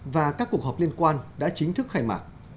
và các cuộc họp liên quan đã chính thức khai mạc